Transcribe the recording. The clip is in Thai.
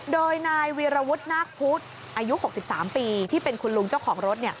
โดยนายวีรวุฒินาคพุทธอายุ๖๓ปีที่เป็นคุณลุงเจ้าของรถ